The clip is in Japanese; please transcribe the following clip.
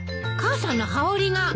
母さんの羽織が。